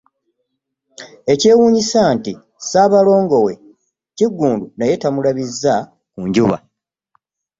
Ekyewuunyisa nti Ssaalongo we Kiggundu naye tamulabizza ku njuba